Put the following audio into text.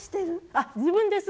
あっ自分です。